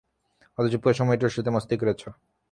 অথচ পুরো সময়টাই ওর সাথে মস্তি করেছ।